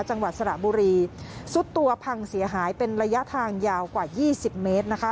จังหวัดสระบุรีซุดตัวพังเสียหายเป็นระยะทางยาวกว่า๒๐เมตรนะคะ